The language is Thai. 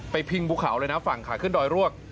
พิงภูเขาเลยนะฝั่งขาขึ้นดอยรวก